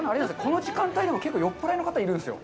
この時間でも結構、酔っ払いの方いるんですよ。